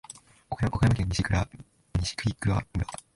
岡山県西粟倉村